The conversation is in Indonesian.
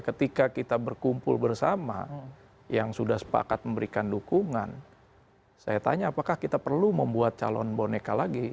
ketika kita berkumpul bersama yang sudah sepakat memberikan dukungan saya tanya apakah kita perlu membuat calon boneka lagi